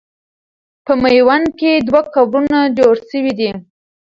په میوند کې دوه قبرونه جوړ سوي دي.